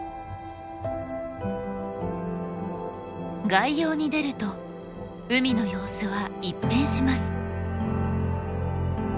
外洋に出ると海の様子は一変します。